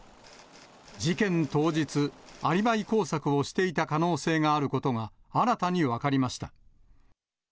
事件当日、アリバイ工作をしていた可能性があることが、新たに分かりました。